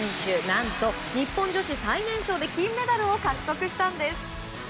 何と、日本女子最年少で金メダルを獲得したんです！